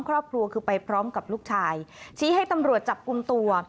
ครอบครัวคือไปพร้อมกับลูกชายชี้ให้ตำรวจจับกลุ่มตัว